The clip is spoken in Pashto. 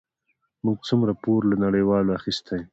موږ څومره پور له نړیوالو اخیستی؟